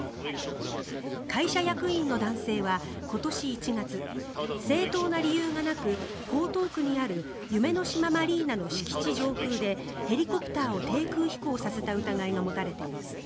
会社役員の男性は今年１月正当な理由がなく江東区にある夢の島マリーナの敷地上空でヘリコプターを低空飛行させた疑いが持たれています。